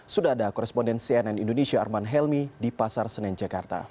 sudah ada koresponden cnn indonesia arman helmi di pasar senen jakarta